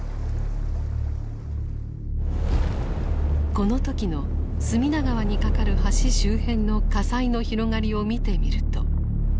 この時の隅田川に架かる橋周辺の火災の広がりを見てみると。